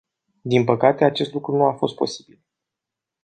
Din păcate, acest lucru nu a fost posibil.